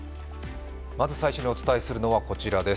まず最初にお伝えするのはこちらです。